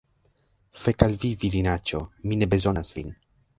Fek al vi, virinaĉo! Mi ne bezonas vin.